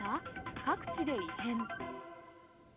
各地で異変。